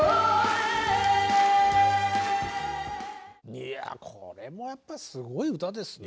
いやこれもやっぱりすごい歌ですね。